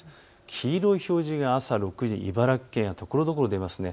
黄色い表示が朝６時、茨城県にところどころあります。